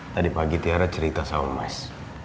tadi pagi tiara cerita sama mas